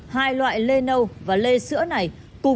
hai loại lê nâu và lê xanh là những loại lê nâu đặc biệt hơn